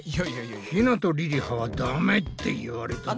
ひなとりりははダメって言われたぞ。